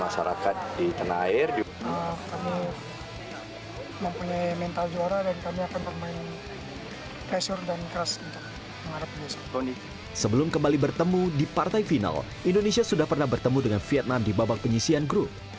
sebelum kembali bertemu di partai final indonesia sudah pernah bertemu dengan vietnam di babak penyisian grup